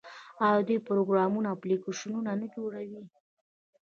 آیا دوی پروګرامونه او اپلیکیشنونه نه جوړوي؟